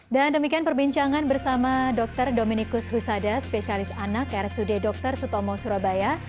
dan demikian perbincangan bersama dr dominicus husada spesialis anak rsud dr sutomo surabaya